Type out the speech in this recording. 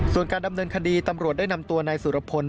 ส่วนการดำเนินคดีตำรวจได้นำตัวนายสุรพล